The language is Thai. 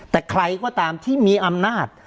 แต่ใครก็ตามที่มีอำนาจ